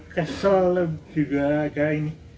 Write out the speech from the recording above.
kesel juga agak ini